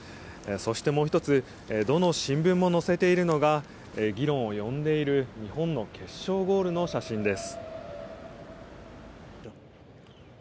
そしてもう１つ、どの新聞も載せているのが議論を呼んでいる日本の決勝ゴールの写真です。